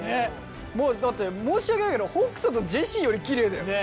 もうだって申し訳ないけど北斗とジェシーよりきれいだよ。ね。